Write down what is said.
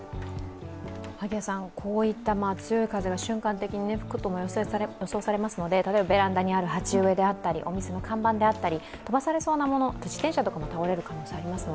こういった強い風が瞬間的に吹くということも予測されますので例えばベランダにある鉢植えだったり、お店の看板だったり、飛ばされそうなもの、自転車なども倒れる可能性があります。